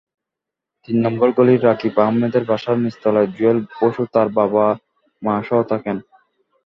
তিন নম্বর গলির রাকিব আহমেদের বাসার নিচতলায় জুয়েল বসু তাঁর বাবা মাসহ থাকেন।